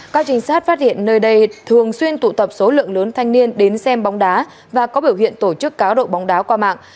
các trinh sát phát hiện nơi đây thường xuyên tụ tập số lượng lớn thanh niên đến xem bóng đá và có biểu hiện tổ chức cá độ bóng đá qua mạng